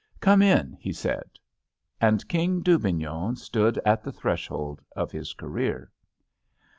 "Come in," he said. And King Dubignon stood at the threshold of his career.